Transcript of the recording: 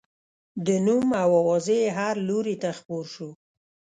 د نوم او اوازې یې هر لوري ته خپور شو.